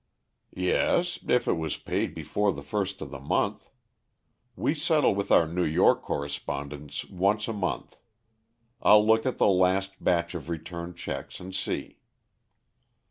"Yes, if it was paid before the first of the month. We settle with our New York correspondents once a month. I'll look at the last batch of returned checks and see."